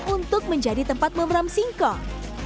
untuk menjadi tempat memeram singkong